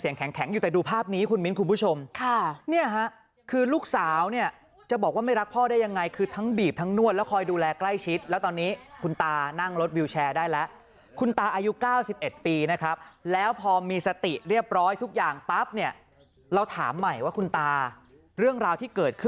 แข็งอยู่แต่ดูภาพนี้คุณมิ้นคุณผู้ชมค่ะเนี่ยฮะคือลูกสาวเนี่ยจะบอกว่าไม่รักพ่อได้ยังไงคือทั้งบีบทั้งนวดแล้วคอยดูแลใกล้ชิดแล้วตอนนี้คุณตานั่งรถวิวแชร์ได้แล้วคุณตาอายุ๙๑ปีนะครับแล้วพอมีสติเรียบร้อยทุกอย่างปั๊บเนี่ยเราถามใหม่ว่าคุณตาเรื่องราวที่เกิดขึ้น